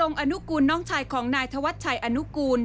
อนุกูลน้องชายของนายธวัชชัยอนุกูล